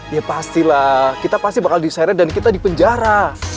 ya pastilah kita pasti bakal diseret dan kita dipenjara